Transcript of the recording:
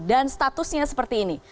dan statusnya seperti ini